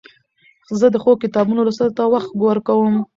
زه د ښو کتابو لوستلو ته وخت ورکوم.